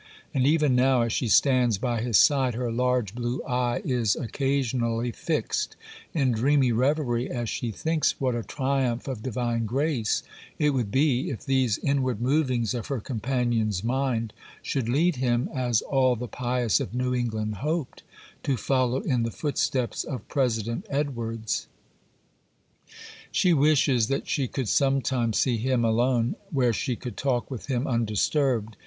And even now, as she stands by his side, her large blue eye is occasionally fixed in dreamy reverie, as she thinks what a triumph of divine grace it would be if these inward movings of her companion's mind should lead him, as all the pious of New England hoped, to follow in the footsteps of President Edwards. She wishes that she could some time see him alone, where she could talk with him undisturbed.